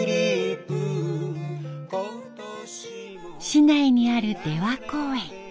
市内にある出羽公園。